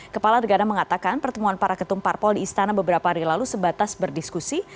kepala negara mengatakan pertemuan para ketumparpol di istana beberapa hari lalu sebatas berdiskusi